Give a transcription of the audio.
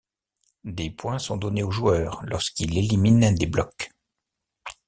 Des points sont donnés au joueur lorsqu'il élimine des blocs.